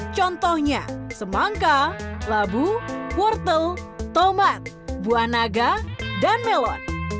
contohnya semangka labu wortel tomat buah naga dan melon